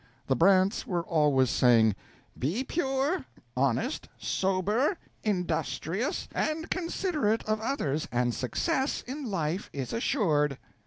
The Brants were always saying: "Be pure, honest, sober, industrious, and considerate of others, and success in life is assured."